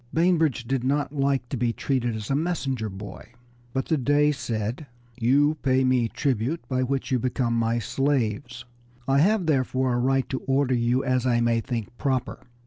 Bainbridge did not like to be treated as a messenger boy; but the Dey said, "You pay me tribute, by which you become my slaves. I have, therefore, a right to order you as I may think proper."